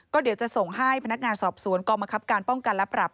ก็เดี๋ยวจะส่งให้พนักงานสอบสวนกองบังคับการป้องกันและปรับ